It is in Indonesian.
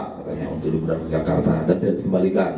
katanya untuk liburan ke jakarta dan tidak dikembalikan